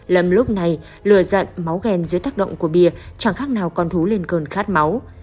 lâm lúc này lừa dận máu ghen dưới tác động của bia chẳng khác nào con thú lên cơn khát máu